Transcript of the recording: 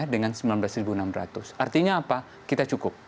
dengan sembilan belas enam ratus artinya apa kita cukup